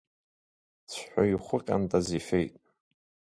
Цәҳәы ихәы Ҟьантаз ифеит.